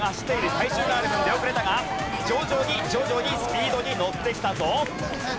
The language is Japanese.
体重がある分出遅れたが徐々に徐々にスピードに乗ってきたぞ！